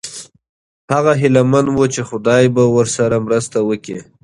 هغه هیله من و چې خدای به ورسره مرسته وکړي.